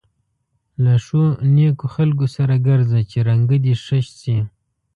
له ښو نېکو خلکو سره ګرځه چې رنګه دې ښه شي.